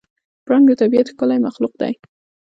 پړانګ د طبیعت ښکلی مخلوق دی.